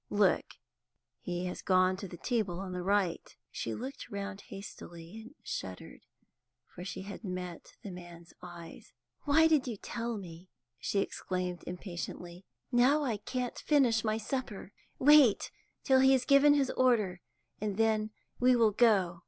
Look, he has gone to the table on the right." She looked round hastily, and shuddered, for she had met the man's eyes. "Why did you tell me?" she exclaimed impatiently. "Now I can't finish my supper. Wait till he has given his order, and then we will go."